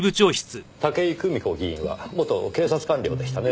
武井久美子議員は元警察官僚でしたね。